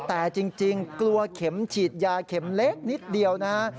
แต่จริงกลัวเข็มฉีดยาเข็มเล็กนิดเดียวนะฮะ